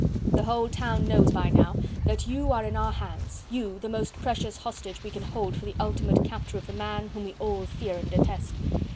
The whole town knows by now that you are in our hands you, the most precious hostage we can hold for the ultimate capture of the man whom we all fear and detest.